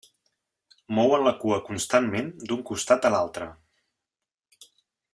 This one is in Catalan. Mouen la cua constantment d'un costat a l'altre.